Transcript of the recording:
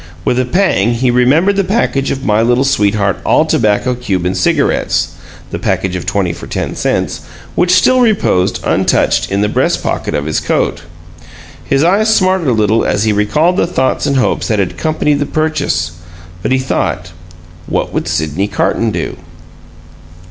With a pang he remembered the package of My Little Sweetheart All Tobacco Cuban Cigarettes (the Package of Twenty for Ten Cents) which still reposed, untouched, in the breast pocket of his coat. His eyes smarted a little as he recalled the thoughts and hopes that had accompanied the purchase; but he thought, "What would Sydney Carton do?"